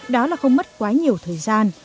đó là không mất quá nhiều thời gian